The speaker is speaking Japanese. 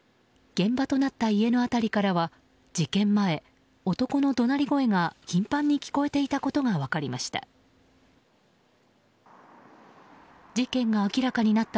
現場となった家の辺りからは事件前男の怒鳴り声が頻繁に聞こえていたことが分かりました。